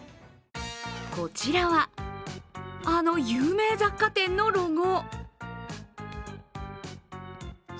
こちらは、あの有名雑貨店のロゴ。